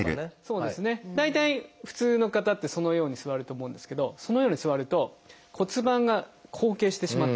そうですね大体普通の方ってそのように座ると思うんですけどそのように座ると骨盤が後傾してしまってる。